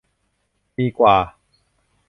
ปีกว่า